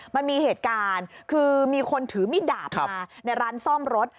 มันมีเหตุการณ์คือมีคนถือมิดดาบมาในร้านซ่อมรถ